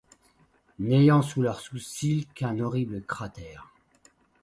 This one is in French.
N’ayant sous leur sourcil qu’un horrible cratère